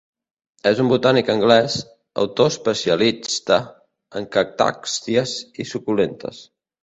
És un botànic anglès, autor especialista en cactàcies i suculentes.